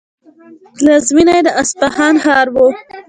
پلازمینه یې د اصفهان ښار و.